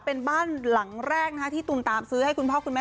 เป็นบ้านหลังแรกที่ตูมตามซื้อให้คุณพ่อคุณแม่